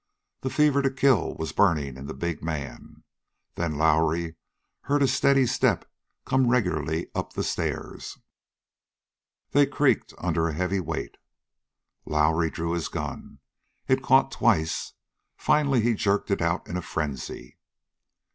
The fever to kill was burning in the big man. Then Lowrie heard a steady step come regularly up the stairs. They creaked under a heavy weight. Lowrie drew his gun. It caught twice; finally he jerked it out in a frenzy.